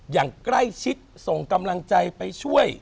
อย่างใกล้ชิดส่งกำลังใจไปช่วย